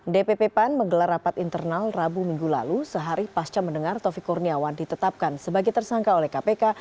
dpp pan menggelar rapat internal rabu minggu lalu sehari pasca mendengar taufik kurniawan ditetapkan sebagai tersangka oleh kpk